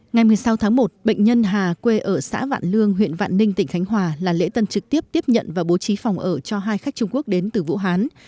ngày một mươi sáu tháng một bệnh nhân hà quê ở xã vạn lương huyện vạn ninh tỉnh khánh hòa là lễ tân trực tiếp tiếp nhận và bố trí phòng ở cho hai khách trung quốc đến từ vũ hán